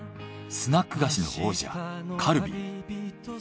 スナック菓子の王者カルビー。